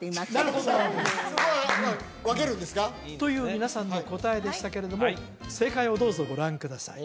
そこは分けるんですか？という皆さんの答えでしたけれども正解をどうぞご覧ください